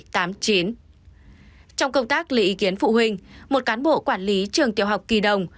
trong công tác lấy ý kiến phụ huynh một cán bộ quản lý trường tiểu học kỳ đồng